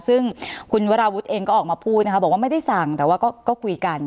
ซึ่งคุณวราวุฒิเองก็ออกมาพูดนะคะบอกว่าไม่ได้สั่งแต่ว่าก็คุยกัน